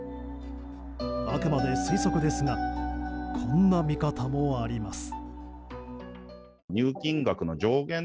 あくまで推測ですがこんな見方もあります。